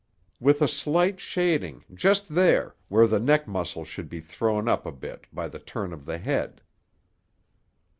"With a slight shading, just there, where the neck muscle should be thrown up a bit by the turn of the head."